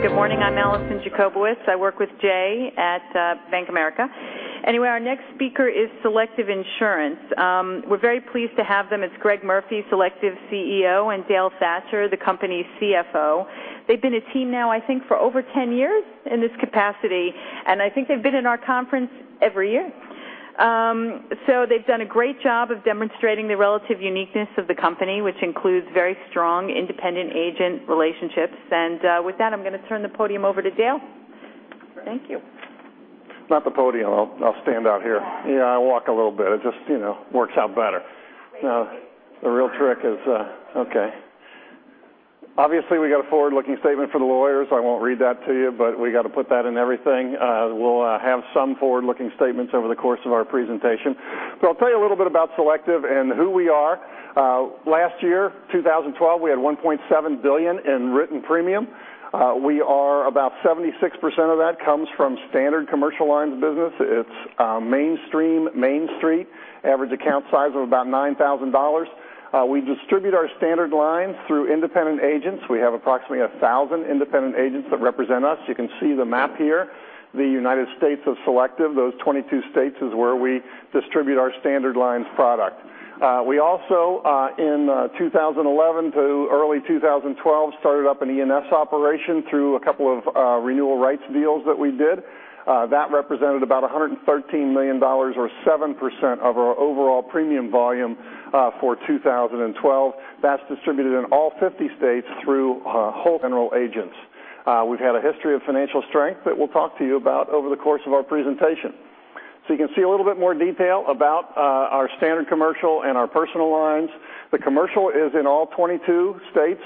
Good morning. I'm Alison Jacobowitz. I work with Jay at Bank of America. Our next speaker is Selective Insurance. We're very pleased to have them. It's Greg Murphy, Selective CEO, and Dale Thatcher, the company's CFO. They've been a team now, I think, for over 10 years in this capacity, and I think they've been in our conference every year. They've done a great job of demonstrating the relative uniqueness of the company, which includes very strong independent agent relationships. With that, I'm going to turn the podium over to Dale. Thank you. Not the podium. I'll stand out here. I walk a little bit. It just works out better. We got a forward-looking statement for the lawyers. I won't read that to you, we got to put that in everything. We'll have some forward-looking statements over the course of our presentation. I'll tell you a little bit about Selective and who we are. Last year, 2012, we had $1.7 billion in written premium. About 76% of that comes from standard commercial lines business. It's mainstream, Main Street, average account size of about $9,000. We distribute our standard lines through independent agents. We have approximately 1,000 independent agents that represent us. You can see the map here. The United States of Selective, those 22 states is where we distribute our standard lines product. We also, in 2011 to early 2012, started up an E&S operation through a couple of renewal rights deals that we did. That represented about $113 million, or 7%, of our overall premium volume for 2012. That's distributed in all 50 states through wholesale general agents. We've had a history of financial strength that we'll talk to you about over the course of our presentation. You can see a little bit more detail about our standard commercial and our personal lines. The commercial is in all 22 states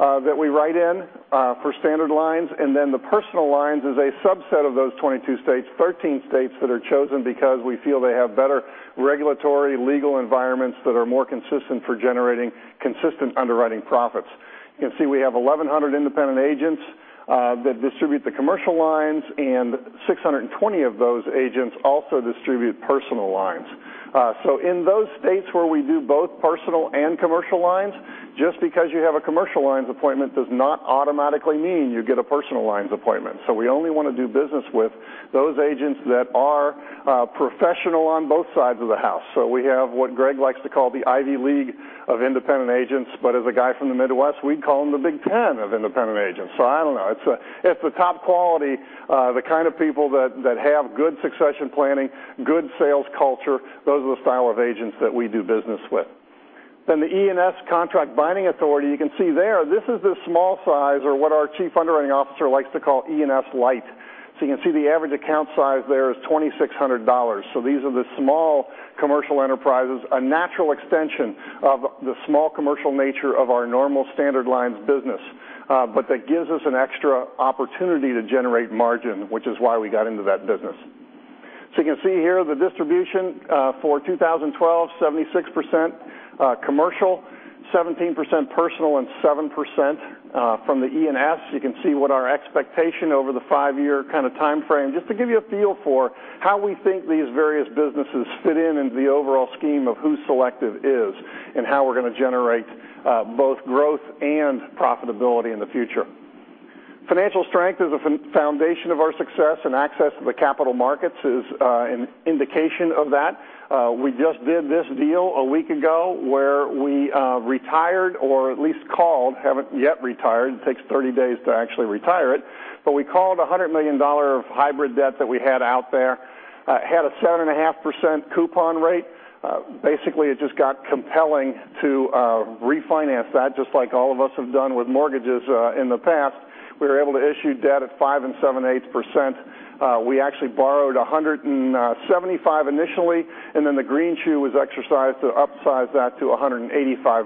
that we write in for standard lines, the personal lines is a subset of those 22 states, 13 states that are chosen because we feel they have better regulatory legal environments that are more consistent for generating consistent underwriting profits. You can see we have 1,100 independent agents that distribute the commercial lines, 620 of those agents also distribute personal lines. In those states where we do both personal and commercial lines, just because you have a commercial lines appointment does not automatically mean you get a personal lines appointment. We only want to do business with those agents that are professional on both sides of the house. We have what Greg likes to call the Ivy League of independent agents, but as a guy from the Midwest, we call them the Big Ten of independent agents. I don't know. It's the top quality, the kind of people that have good succession planning, good sales culture. Those are the style of agents that we do business with. The E&S contract binding authority, you can see there, this is the small size or what our chief underwriting officer likes to call E&S light. You can see the average account size there is $2,600. These are the small commercial enterprises, a natural extension of the small commercial nature of our normal standard lines business. That gives us an extra opportunity to generate margin, which is why we got into that business. You can see here the distribution for 2012, 76% commercial, 17% personal, and 7% from the E&S. You can see what our expectation over the five-year kind of timeframe, just to give you a feel for how we think these various businesses fit in into the overall scheme of who Selective is and how we're going to generate both growth and profitability in the future. Financial strength is a foundation of our success, and access to the capital markets is an indication of that. We just did this deal a week ago where we retired or at least called, haven't yet retired. It takes 30 days to actually retire it, we called $100 million of hybrid debt that we had out there, had a 7.5% coupon rate. Basically, it just got compelling to refinance that, just like all of us have done with mortgages in the past. We were able to issue debt at 5.78%. We actually borrowed 175 initially, and the greenshoe was exercised to upsize that to $185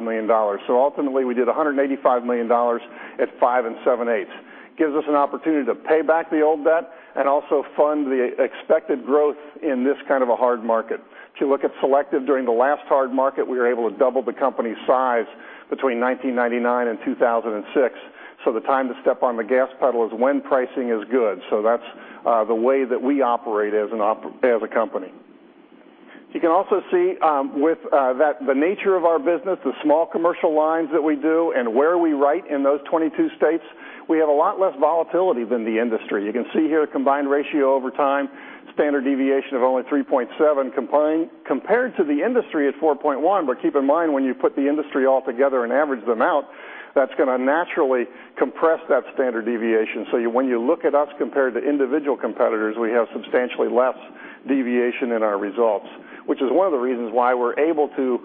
million. Ultimately, we did $185 million at 5.78%. Gives us an opportunity to pay back the old debt and also fund the expected growth in this kind of a hard market. If you look at Selective during the last hard market, we were able to double the company's size between 1999 and 2006. The time to step on the gas pedal is when pricing is good. That's the way that we operate as a company. You can also see with the nature of our business, the small commercial lines that we do and where we write in those 22 states, we have a lot less volatility than the industry. You can see here a combined ratio over time, standard deviation of only 3.7 compared to the industry at 4.1. Keep in mind, when you put the industry all together and average them out, that's going to naturally compress that standard deviation. When you look at us compared to individual competitors, we have substantially less deviation in our results, which is one of the reasons why we're able to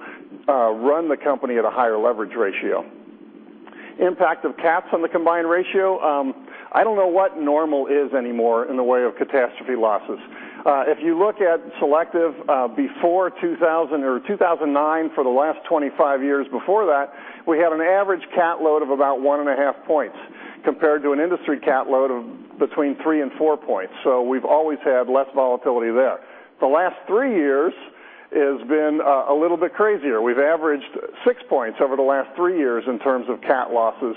run the company at a higher leverage ratio. Impact of cats on the combined ratio. I don't know what normal is anymore in the way of catastrophe losses. If you look at Selective before 2000 or 2009 for the last 25 years before that, we had an average cat load of about one and a half points compared to an industry cat load of between three and four points. We've always had less volatility there. The last three years has been a little bit crazier. We've averaged six points over the last three years in terms of cat losses.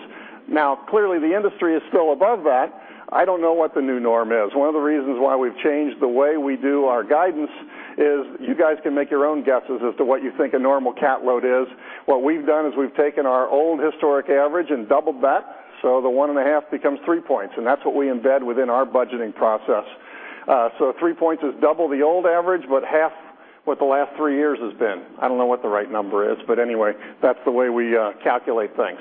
Clearly, the industry is still above that. I don't know what the new norm is. One of the reasons why we've changed the way we do our guidance is you guys can make your own guesses as to what you think a normal cat load is. What we've done is we've taken our old historic average and doubled that, so the 1.5 becomes 3 points, and that's what we embed within our budgeting process. 3 points is double the old average, but half what the last 3 years has been. I don't know what the right number is, but anyway, that's the way we calculate things.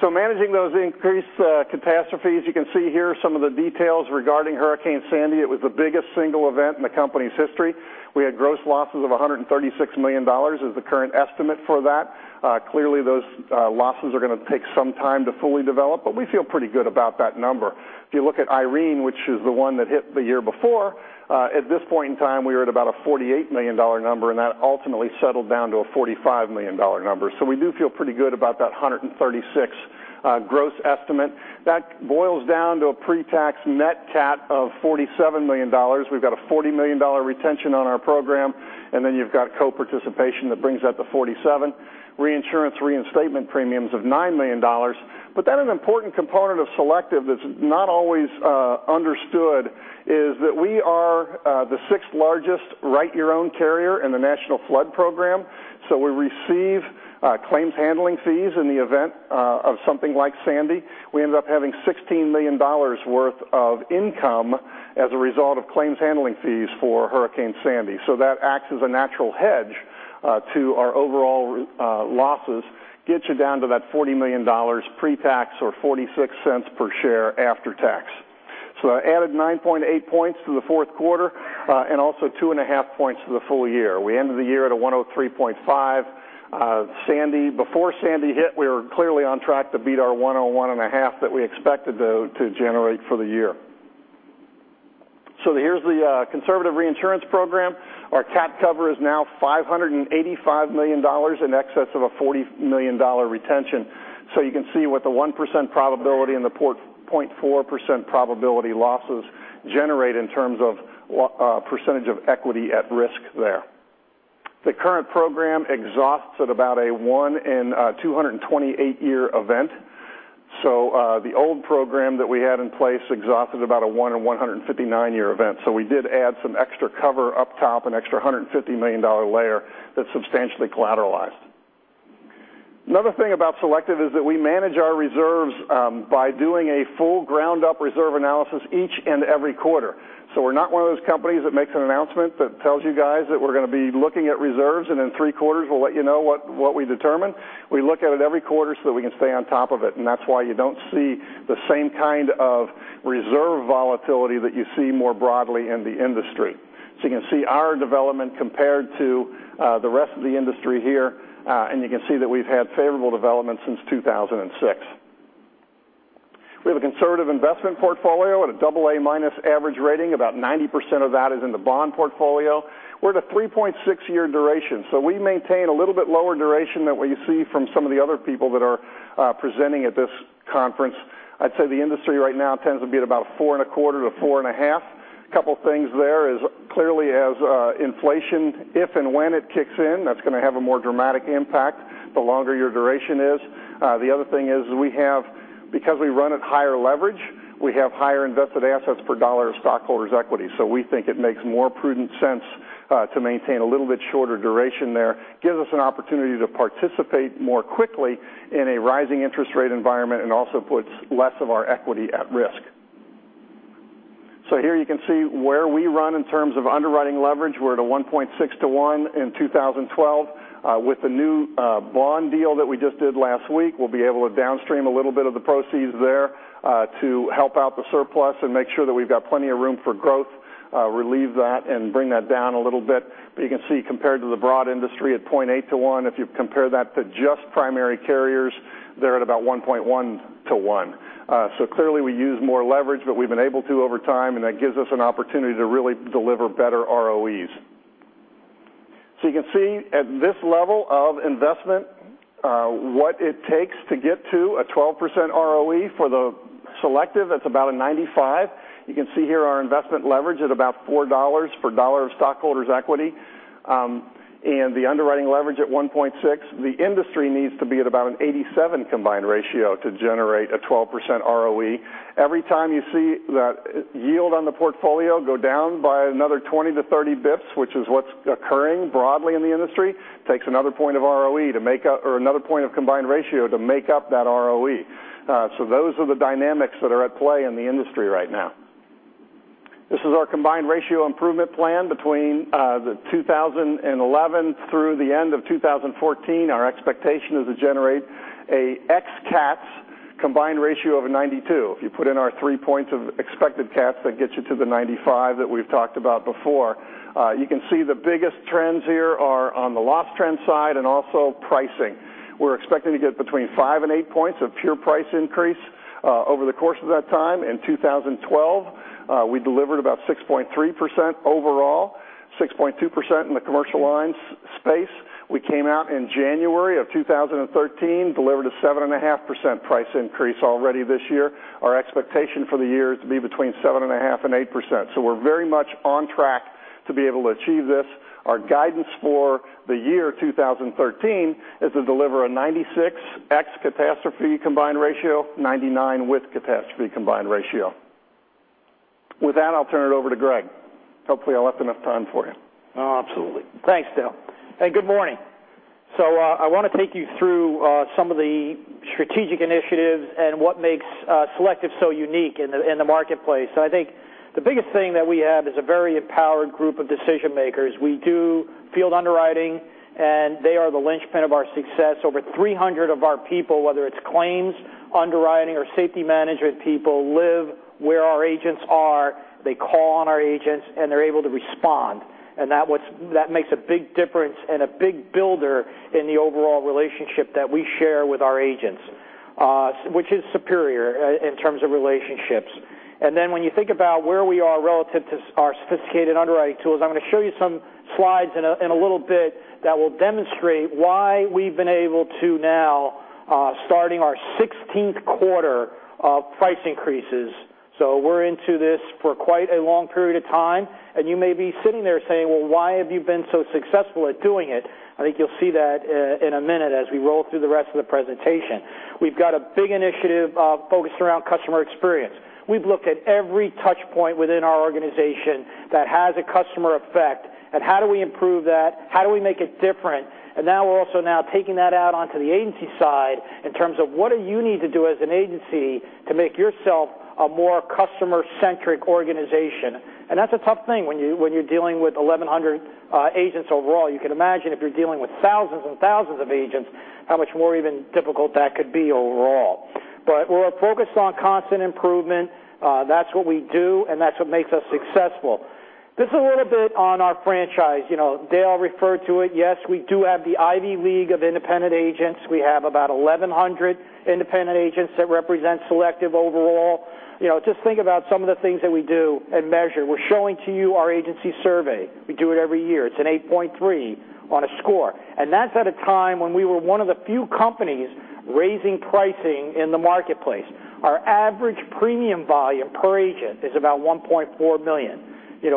Managing those increased catastrophes, you can see here some of the details regarding Hurricane Sandy. It was the biggest single event in the company's history. We had gross losses of $136 million is the current estimate for that. Clearly, those losses are going to take some time to fully develop, but we feel pretty good about that number. If you look at Irene, which is the one that hit the year before, at this point in time, we were at about a $48 million number, and that ultimately settled down to a $45 million number. We do feel pretty good about that 136 gross estimate. That boils down to a pre-tax net cat of $47 million. We've got a $40 million retention on our program, and then you've got co-participation that brings that to 47, reinsurance reinstatement premiums of $9 million. An important component of Selective that's not always understood is that we are the 6th-largest write-your-own carrier in the National Flood Program. We receive claims handling fees in the event of something like Sandy. We end up having $16 million worth of income as a result of claims handling fees for Hurricane Sandy. That acts as a natural hedge to our overall losses, gets you down to that $40 million pre-tax or $0.46 per share after tax. That added 9.8 points to the fourth quarter, and also 2.5 points to the full year. We ended the year at a 103.5. Before Sandy hit, we were clearly on track to beat our 101.5 that we expected, though, to generate for the year. Here's the conservative reinsurance program. Our cat cover is now $585 million in excess of a $40 million retention. You can see what the 1% probability and the 0.4% probability losses generate in terms of percentage of equity at risk there. The current program exhausts at about a one in 228-year event. The old program that we had in place exhausted about a one in 159-year event. We did add some extra cover up top, an extra $150 million layer that's substantially collateralized. Another thing about Selective is that we manage our reserves by doing a full ground-up reserve analysis each and every quarter. We're not one of those companies that makes an announcement that tells you guys that we're going to be looking at reserves, and in 3 quarters, we'll let you know what we determine. We look at it every quarter so that we can stay on top of it, and that's why you don't see the same kind of reserve volatility that you see more broadly in the industry. You can see our development compared to the rest of the industry here, and you can see that we've had favorable development since 2006. We have a conservative investment portfolio at a double A-minus average rating. About 90% of that is in the bond portfolio. We're at a 3.6-year duration, so we maintain a little bit lower duration than what you see from some of the other people that are presenting at this conference. I'd say the industry right now tends to be at about four and a quarter to four and a half. As inflation, if and when it kicks in, that's going to have a more dramatic impact the longer your duration is. The other thing is we have, because we run at higher leverage, we have higher invested assets per dollar of stockholders' equity. We think it makes more prudent sense to maintain a little bit shorter duration there. Gives us an opportunity to participate more quickly in a rising interest rate environment and also puts less of our equity at risk. Here you can see where we run in terms of underwriting leverage. We're at a 1.6 to 1 in 2012. With the new bond deal that we just did last week, we'll be able to downstream a little bit of the proceeds there to help out the surplus and make sure that we've got plenty of room for growth, relieve that, and bring that down a little bit. But you can see compared to the broad industry at 0.8 to 1. If you compare that to just primary carriers, they're at about 1.1 to 1. Clearly, we use more leverage, but we've been able to over time, and that gives us an opportunity to really deliver better ROEs. You can see at this level of investment what it takes to get to a 12% ROE for Selective. That's about a 95. You can see here our investment leverage at about $4 per dollar of stockholders' equity, and the underwriting leverage at 1.6. The industry needs to be at about an 87 combined ratio to generate a 12% ROE. Every time you see that yield on the portfolio go down by another 20 to 30 basis points, which is what's occurring broadly in the industry, takes another point of ROE to make up or another point of combined ratio to make up that ROE. Those are the dynamics that are at play in the industry right now. This is our combined ratio improvement plan between the 2011 through the end of 2014. Our expectation is to generate an ex cats combined ratio of 92. If you put in our three points of expected cats, that gets you to the 95 that we've talked about before. You can see the biggest trends here are on the loss trend side and also pricing. We're expecting to get between five and eight points of pure price increase over the course of that time. In 2012, we delivered about 6.3% overall, 6.2% in the commercial lines space. We came out in January of 2013, delivered a seven and a half% price increase already this year. Our expectation for the year is to be between seven and a half and 8%. We're very much on track to be able to achieve this. Our guidance for the year 2013 is to deliver a 96 ex-catastrophe combined ratio, 99 with catastrophe combined ratio. With that, I'll turn it over to Greg. Hopefully, I left enough time for you. Oh, absolutely. Thanks, Dale, and good morning. I want to take you through some of the strategic initiatives and what makes Selective so unique in the marketplace. I think the biggest thing that we have is a very empowered group of decision-makers. We do field underwriting, and they are the linchpin of our success. Over 300 of our people, whether it's claims underwriting or safety management people, live where our agents are. They call on our agents, and they're able to respond. That makes a big difference and a big builder in the overall relationship that we share with our agents, which is superior in terms of relationships. When you think about where we are relative to our sophisticated underwriting tools, I'm going to show you some slides in a little bit that will demonstrate why we've been able to now, starting our 16th quarter of price increases. We're into this for quite a long period of time, and you may be sitting there saying, "Well, why have you been so successful at doing it?" I think you'll see that in a minute as we roll through the rest of the presentation. We've got a big initiative focused around customer experience. We've looked at every touch point within our organization that has a customer effect and how do we improve that? How do we make it different? Now we're also now taking that out onto the agency side in terms of what do you need to do as an agency to make yourself a more customer-centric organization? That's a tough thing when you're dealing with 1,100 agents overall. You can imagine if you're dealing with thousands and thousands of agents, how much more even difficult that could be overall. We're focused on constant improvement. That's what we do, and that's what makes us successful. This is a little bit on our franchise. Dale referred to it. Yes, we do have the Ivy League of independent agents. We have about 1,100 independent agents that represent Selective overall. Just think about some of the things that we do and measure. We're showing to you our agency survey. We do it every year. It's an 8.3 on a score. That's at a time when we were one of the few companies raising pricing in the marketplace. Our average premium volume per agent is about $1.4 million.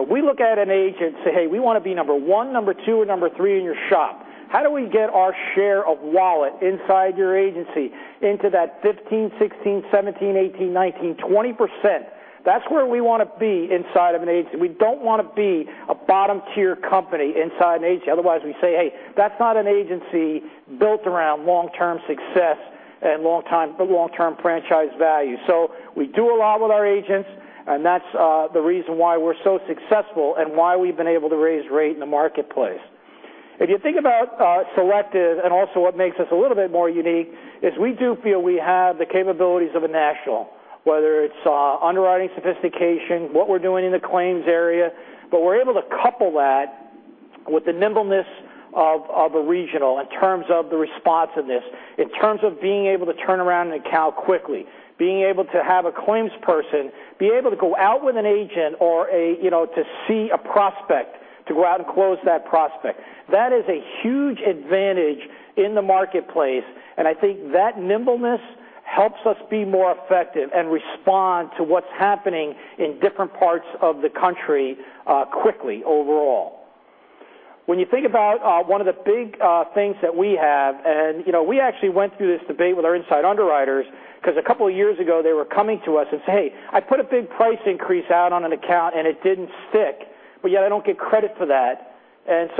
We look at an agent and say, "Hey, we want to be number one, number two, or number three in your shop. How do we get our share of wallet inside your agency into that 15%, 16%, 17%, 18%, 19%, 20%?" That's where we want to be inside of an agency. We don't want to be a bottom-tier company inside an agency. Otherwise, we say, "Hey, that's not an agency built around long-term success and long-term franchise value." We do a lot with our agents, and that's the reason why we're so successful and why we've been able to raise rate in the marketplace. If you think about Selective and also what makes us a little bit more unique is we do feel we have the capabilities of a national, whether it's underwriting sophistication, what we're doing in the claims area. We're able to couple that with the nimbleness of a regional in terms of the responsiveness, in terms of being able to turn around an account quickly, being able to have a claims person be able to go out with an agent or to see a prospect, to go out and close that prospect. That is a huge advantage in the marketplace. I think that nimbleness helps us be more effective and respond to what's happening in different parts of the country quickly overall. When you think about one of the big things that we have, and we actually went through this debate with our inside underwriters because a couple of years ago, they were coming to us and saying, "I put a big price increase out on an account and it didn't stick, yet I don't get credit for that."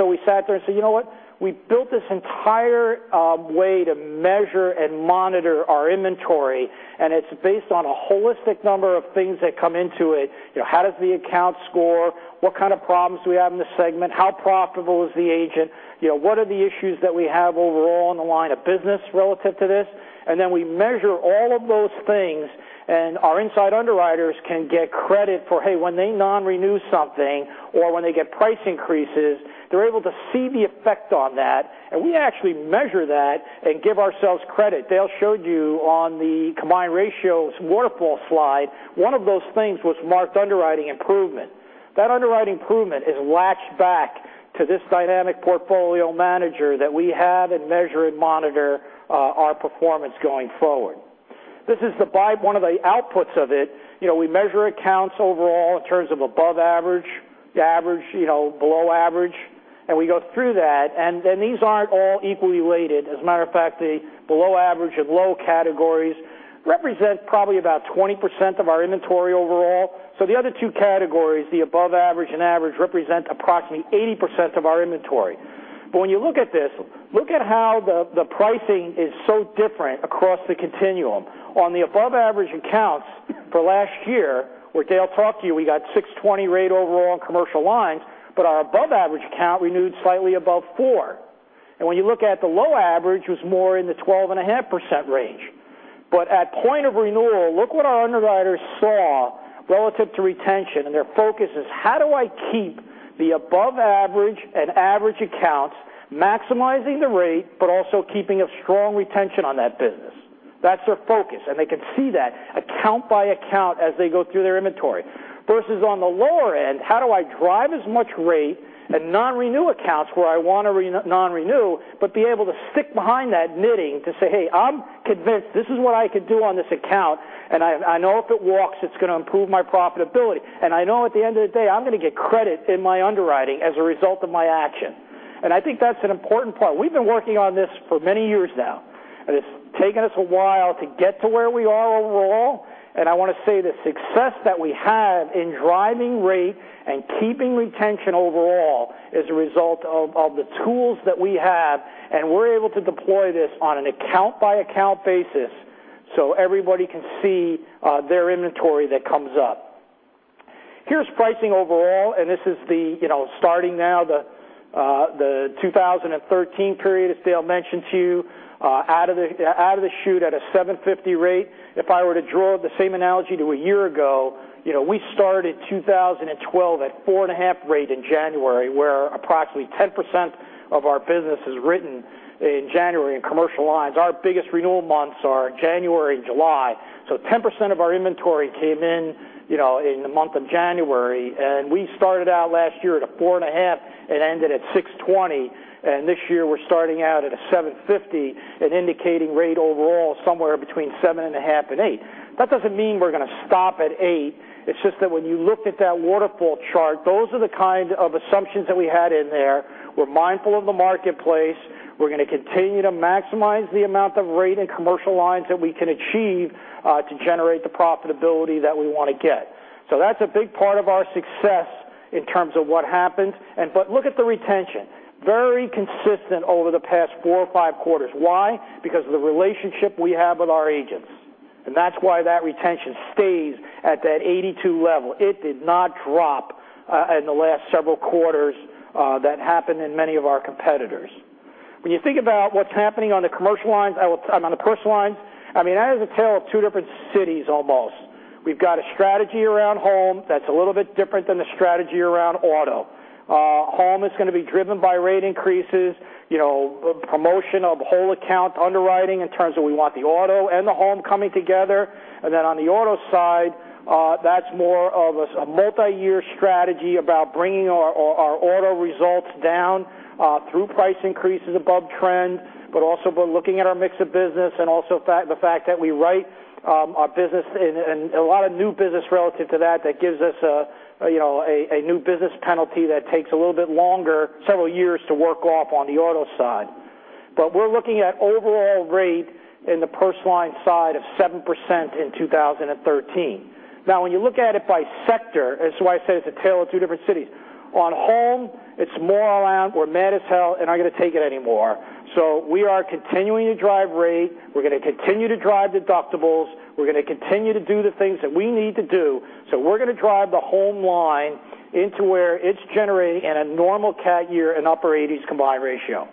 We sat there and said, "You know what? We built this entire way to measure and monitor our inventory, and it's based on a holistic number of things that come into it. How does the account score? What kind of problems do we have in the segment? How profitable is the agent? What are the issues that we have overall in the line of business relative to this?" Then we measure all of those things, and our inside underwriters can get credit for, hey, when they non-renew something or when they get price increases, they're able to see the effect on that. We actually measure that and give ourselves credit. Dale showed you on the combined ratios waterfall slide, one of those things was marked underwriting improvement. That underwriting improvement is latched back to this dynamic portfolio manager that we have and measure and monitor our performance going forward. This is one of the outputs of it. We measure accounts overall in terms of above average, below average, and we go through that. These aren't all equally weighted. As a matter of fact, the below average and low categories represent probably about 20% of our inventory overall. The other two categories, the above average and average, represent approximately 80% of our inventory. When you look at this, look at how the pricing is so different across the continuum. On the above average accounts for last year, where Dale Thatcher talked to you, we got 6.20% rate overall on commercial lines, but our above average account renewed slightly above 4%. When you look at the low average, it was more in the 12.5% range. At point of renewal, look what our underwriters saw relative to retention, and their focus is: how do I keep the above average and average accounts, maximizing the rate, but also keeping a strong retention on that business? That's their focus, and they can see that account by account as they go through their inventory. Versus on the lower end, how do I drive as much rate and non-renew accounts where I want to non-renew, but be able to stick behind that knitting to say, "Hey, I'm convinced this is what I could do on this account, I know if it walks, it's going to improve my profitability. I know at the end of the day, I'm going to get credit in my underwriting as a result of my action." I think that's an important part. We've been working on this for many years now, and it's taken us a while to get to where we are overall. I want to say the success that we have in driving rate and keeping retention overall is a result of the tools that we have, and we're able to deploy this on an account-by-account basis so everybody can see their inventory that comes up. Here's pricing overall, and this is starting now, the 2013 period, as Dale Thatcher mentioned to you, out of the chute at a 7.50% rate. If I were to draw the same analogy to a year ago, we started 2012 at 4.5% rate in January, where approximately 10% of our business is written in January in commercial lines. Our biggest renewal months are January and July. 10% of our inventory came in in the month of January. We started out last year at a 4.5% and ended at 6.20%, and this year we're starting out at a 7.50%, an indicating rate overall somewhere between 7.5% and 8%. That doesn't mean we're going to stop at 8. It's just that when you look at that waterfall chart, those are the kind of assumptions that we had in there. We're mindful of the marketplace. We're going to continue to maximize the amount of rate and commercial lines that we can achieve to generate the profitability that we want to get. That's a big part of our success in terms of what happens. Look at the retention. Very consistent over the past four or five quarters. Why? Because of the relationship we have with our agents. That's why that retention stays at that 82% level. It did not drop in the last several quarters that happened in many of our competitors. When you think about what's happening on the personal lines, that is a tale of two different cities almost. We've got a strategy around home that's a little bit different than the strategy around auto. Home is going to be driven by rate increases, promotion of whole account underwriting in terms of we want the auto and the home coming together. On the auto side, that's more of a multi-year strategy about bringing our auto results down through price increases above trend, but also by looking at our mix of business and also the fact that we write our business and a lot of new business relative to that gives us a new business penalty that takes a little bit longer, several years to work off on the auto side. We're looking at overall rate in the personal lines side of 7% in 2013. When you look at it by sector, that's why I said it's a tale of two different cities. On home, it's more around we're mad as hell and aren't going to take it anymore. We are continuing to drive rate, we're going to continue to drive deductibles, we're going to continue to do the things that we need to do. We're going to drive the home line into where it's generating in a normal catastrophe year an upper 80s combined ratio.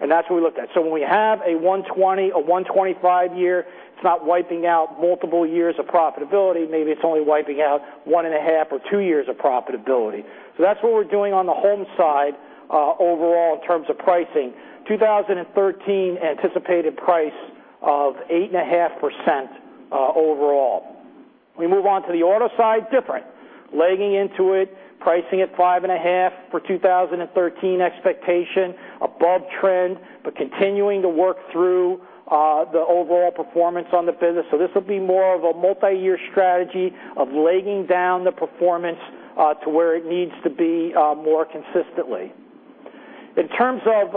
That's what we looked at. When we have a 120, a 125 year, it's not wiping out multiple years of profitability. Maybe it's only wiping out one and a half or two years of profitability. That's what we're doing on the home side overall in terms of pricing. 2013 anticipated price of 8.5% overall. We move on to the auto side, different. Legging into it, pricing at 5.5 for 2013 expectation above trend, but continuing to work through the overall performance on the business. This will be more of a multi-year strategy of legging down the performance to where it needs to be more consistently. In terms of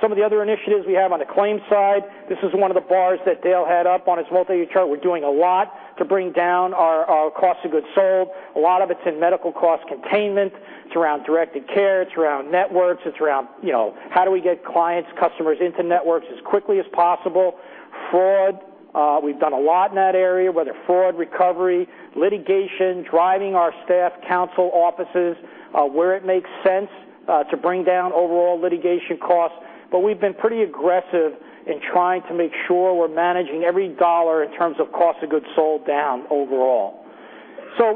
some of the other initiatives we have on the claims side, this is one of the bars that Dale had up on his multi-year chart. We're doing a lot to bring down our cost of goods sold. A lot of it's in medical cost containment. It's around directed care, it's around networks, it's around how do we get clients, customers into networks as quickly as possible. Fraud, we've done a lot in that area, whether fraud recovery, litigation, driving our staff counsel offices where it makes sense to bring down overall litigation costs. We've been pretty aggressive in trying to make sure we're managing every dollar in terms of cost of goods sold down overall.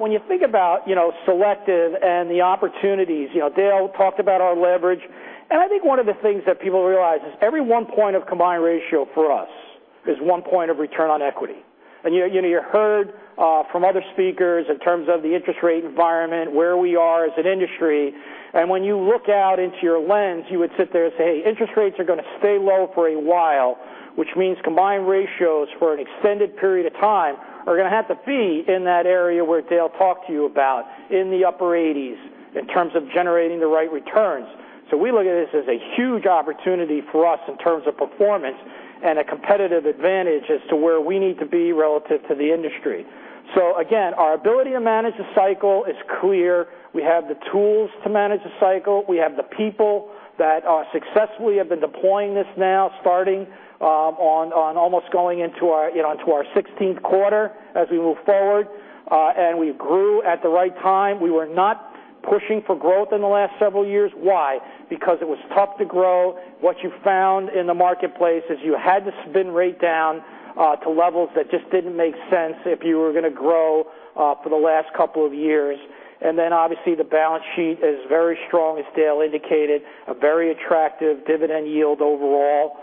When you think about Selective and the opportunities, Dale talked about our leverage, and I think one of the things that people realize is every one point of combined ratio for us is one point of return on equity. You heard from other speakers in terms of the interest rate environment, where we are as an industry, when you look out into your lens, you would sit there and say, interest rates are going to stay low for a while, which means combined ratios for an extended period of time are going to have to be in that area where Dale talked to you about, in the upper 80s in terms of generating the right returns. We look at this as a huge opportunity for us in terms of performance and a competitive advantage as to where we need to be relative to the industry. Again, our ability to manage the cycle is clear. We have the tools to manage the cycle. We have the people that successfully have been deploying this now, starting on almost going into our 16th quarter as we move forward. We grew at the right time. We were not pushing for growth in the last several years. Why? Because it was tough to grow. What you found in the marketplace is you had to spin rate down to levels that just didn't make sense if you were going to grow for the last couple of years. Obviously, the balance sheet is very strong, as Dale indicated, a very attractive dividend yield overall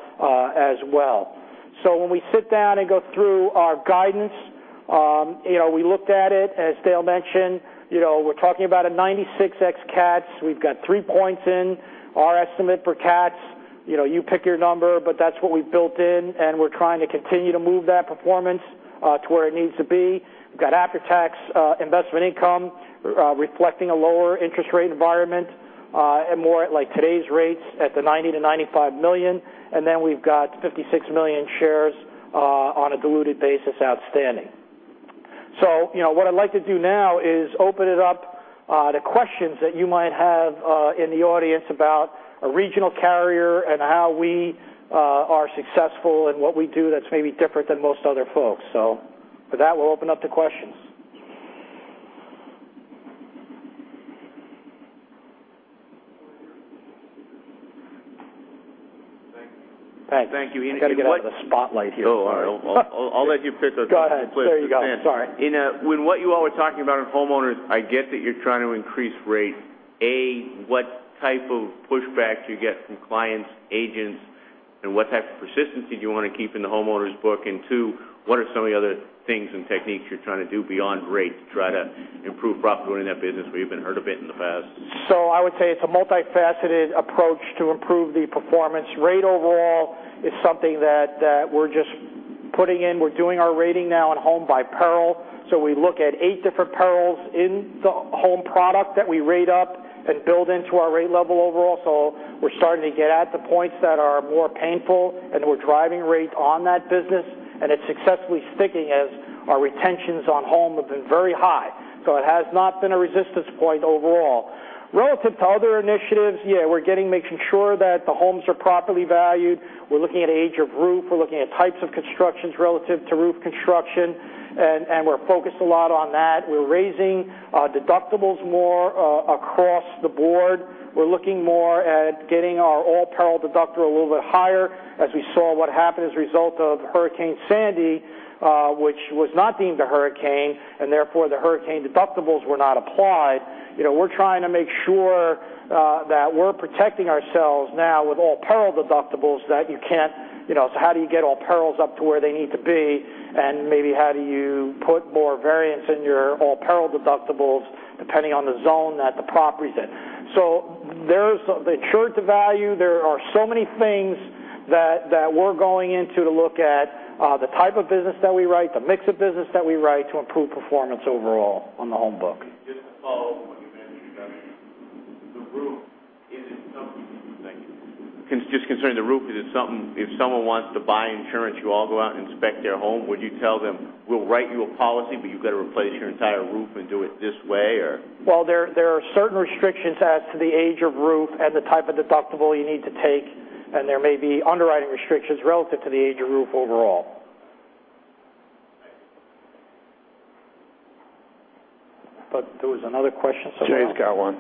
as well. When we sit down and go through our guidance, we looked at it, as Dale mentioned, we're talking about a 96 ex cats. We've got three points in our estimate for cats. You pick your number, but that's what we've built in, and we're trying to continue to move that performance to where it needs to be. We've got after-tax investment income reflecting a lower interest rate environment, more at like today's rates at the $90 million-$95 million. We've got 56 million shares on a diluted basis outstanding. What I'd like to do now is open it up to questions that you might have in the audience about a regional carrier and how we are successful and what we do that's maybe different than most other folks. With that, we'll open up to questions. Thank you. Hey. Thank you. I got to get out of the spotlight here. Oh, all right. I'll let you pick up from there. Go ahead. There you go. Sorry. With what you all were talking about in homeowners, I get that you're trying to increase rates. A, what type of pushback do you get from clients, agents, and what type of persistence did you want to keep in the homeowners book? Two, what are some of the other things and techniques you're trying to do beyond rate to try to improve profitability in that business we even heard of it in the past? I would say it's a multifaceted approach to improve the performance rate overall. It's something that we're just putting in. We're doing our rating now on home by peril. We look at eight different perils in the home product that we rate up and build into our rate level overall. We're starting to get at the points that are more painful, and we're driving rate on that business, and it's successfully sticking as our retentions on home have been very high. It has not been a resistance point overall. Relative to other initiatives, we're making sure that the homes are properly valued. We're looking at age of roof. We're looking at types of constructions relative to roof construction. We're focused a lot on that. We're raising our deductibles more across the board. We're looking more at getting our all peril deductible a little bit higher as we saw what happened as a result of Hurricane Sandy, which was not deemed a hurricane, and therefore the hurricane deductibles were not applied. We're trying to make sure that we're protecting ourselves now with all peril deductibles. How do you get all perils up to where they need to be? Maybe how do you put more variance in your all peril deductibles, depending on the zone that the property's in? There's the insured to value. There are so many things that we're going into to look at the type of business that we write, the mix of business that we write to improve performance overall on the home book. Just to follow up on what you mentioned regarding the roof. Thank you. Just concerning the roof, if someone wants to buy insurance, you all go out and inspect their home, would you tell them, "We'll write you a policy, but you've got to replace your entire roof and do it this way?" Or Well, there are certain restrictions as to the age of roof and the type of deductible you need to take, there may be underwriting restrictions relative to the age of roof overall. Thank you. I thought there was another question somewhere. Jay's got one.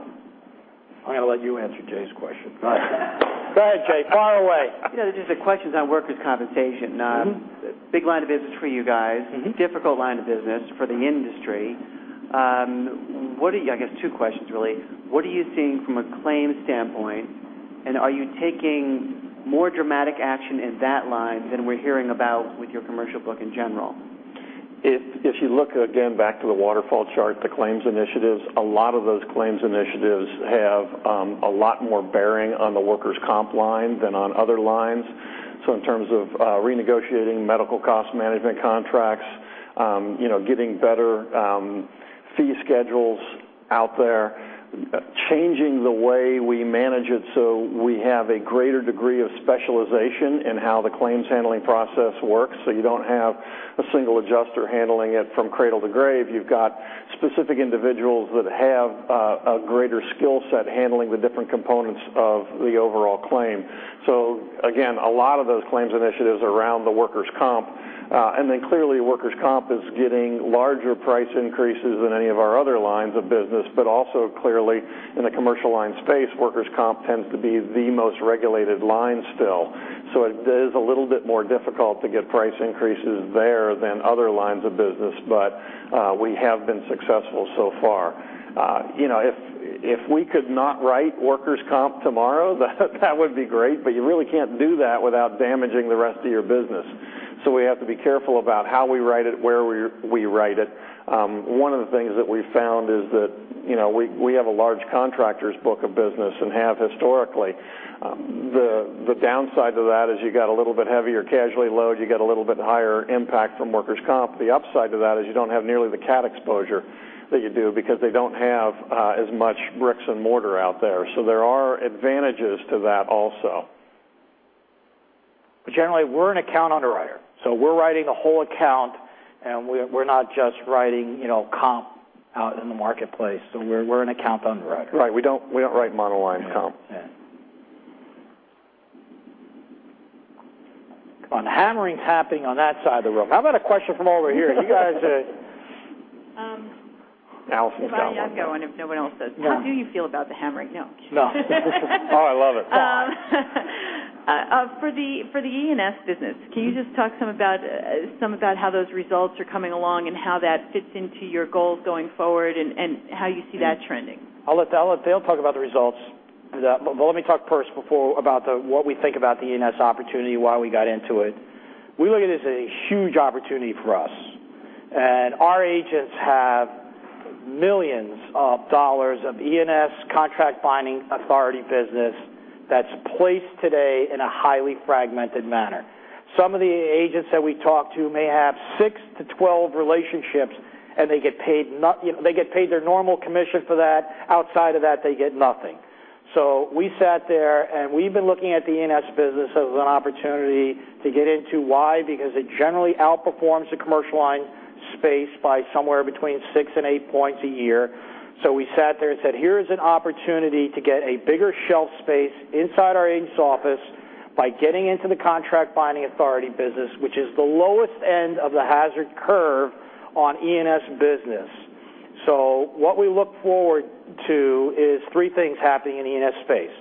I'm going to let you answer Jay's question. All right. Go ahead, Jay. Fire away. Yeah, just a question on workers' compensation. Big line of business for you guys. Difficult line of business for the industry. I guess two questions, really. What are you seeing from a claims standpoint, and are you taking more dramatic action in that line than we're hearing about with your commercial book in general? If you look, again, back to the waterfall chart, the claims initiatives, a lot of those claims initiatives have a lot more bearing on the workers' comp line than on other lines. In terms of renegotiating medical cost management contracts, getting better fee schedules out there, changing the way we manage it so we have a greater degree of specialization in how the claims handling process works, you don't have a single adjuster handling it from cradle to grave. You've got specific individuals that have a greater skill set handling the different components of the overall claim. Again, a lot of those claims initiatives around the workers' comp. Clearly, workers' comp is getting larger price increases than any of our other lines of business, but also clearly in the commercial line space, workers' comp tends to be the most regulated line still. It is a little bit more difficult to get price increases there than other lines of business, but we have been successful so far. If we could not write workers' comp tomorrow, that would be great, but you really can't do that without damaging the rest of your business. We have to be careful about how we write it, where we write it. One of the things that we've found is that we have a large contractor's book of business and have historically. The downside to that is you got a little bit heavier casualty load, you get a little bit higher impact from workers' comp. The upside to that is you don't have nearly the catastrophe exposure that you do because they don't have as much bricks and mortar out there. There are advantages to that also. Generally, we're an account underwriter. We're writing a whole account, and we're not just writing comp out in the marketplace. We're an account underwriter. Right. We don't write monoline comp. Yeah. Hammering's happening on that side of the room. How about a question from over here? You guys. Alison's got one. I've got one if no one else does. Yeah. How do you feel about the hammering? No, I'm kidding. No. Oh, I love it. For the E&S business, can you just talk some about how those results are coming along and how that fits into your goals going forward and how you see that trending? Well, let me talk first before about what we think about the E&S opportunity, why we got into it. We look at it as a huge opportunity for us. Our agents have millions of dollars of E&S contract binding authority business that's placed today in a highly fragmented manner. Some of the agents that we talk to may have 6-12 relationships, and they get paid their normal commission for that. Outside of that, they get nothing. We sat there, and we've been looking at the E&S business as an opportunity to get into. Why? Because it generally outperforms the commercial line space by somewhere between six and eight points a year. We sat there and said, "Here is an opportunity to get a bigger shelf space inside our agent's office by getting into the contract binding authority business, which is the lowest end of the hazard curve on E&S business." What we look forward to is three things happening in the E&S space.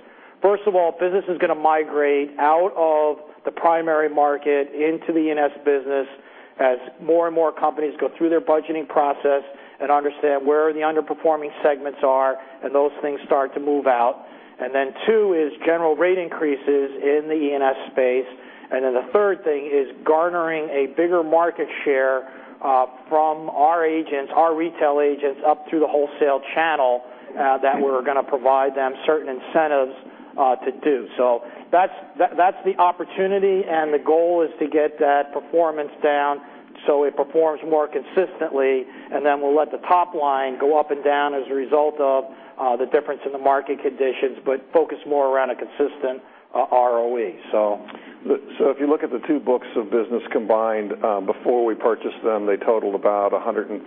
First of all, business is going to migrate out of the primary market into the E&S business as more and more companies go through their budgeting process and understand where the underperforming segments are, and those things start to move out. Then two is general rate increases in the E&S space. Then the third thing is garnering a bigger market share from our agents, our retail agents, up through the wholesale channel, that we're going to provide them certain incentives to do. That's the opportunity, and the goal is to get that performance down so it performs more consistently, and then we'll let the top line go up and down as a result of the difference in the market conditions, but focus more around a consistent ROE. If you look at the two books of business combined, before we purchased them, they totaled about $135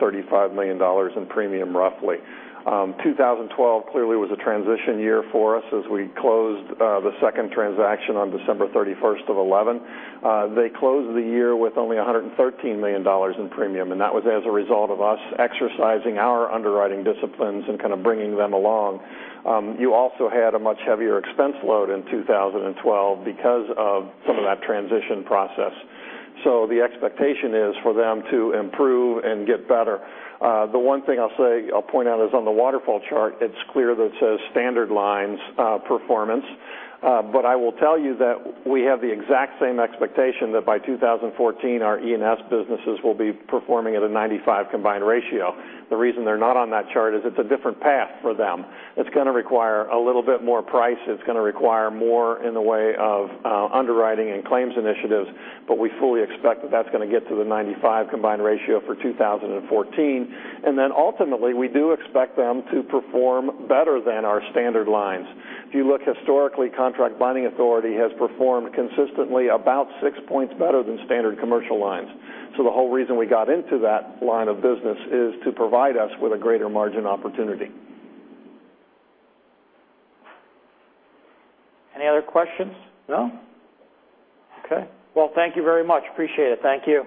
million in premium, roughly. 2012 clearly was a transition year for us as we closed the second transaction on December 31st of 2011. They closed the year with only $113 million in premium, and that was as a result of us exercising our underwriting disciplines and kind of bringing them along. You also had a much heavier expense load in 2012 because of some of that transition process. The expectation is for them to improve and get better. The one thing I'll say, I'll point out is on the waterfall chart, it's clear that it says standard lines performance. I will tell you that we have the exact same expectation that by 2014, our E&S businesses will be performing at a 95 combined ratio. The reason they're not on that chart is it's a different path for them. It's going to require a little bit more price. It's going to require more in the way of underwriting and claims initiatives. We fully expect that that's going to get to the 95 combined ratio for 2014. Ultimately, we do expect them to perform better than our standard lines. If you look historically, contract binding authority has performed consistently about six points better than standard commercial lines. The whole reason we got into that line of business is to provide us with a greater margin opportunity. Any other questions? No? Okay. Well, thank you very much. Appreciate it. Thank you.